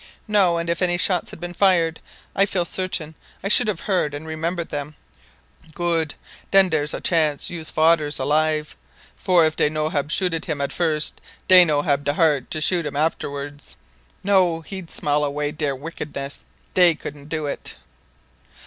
"No; and if any shots had been fired, I feel certain I should have heard and remembered them." "Good! den der's a chance yous fadder's alive, for if de no hab shooted him at first, de no hab de heart to shoot him arterwards. No, he'd smile away der wikitness; de couldn' do it."